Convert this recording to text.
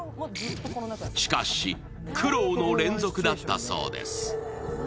しかし、苦労の連続だったそうです